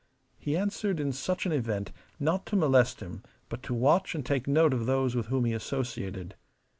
He answered in such an event not to molest him but to watch and take note of those with whom he associated.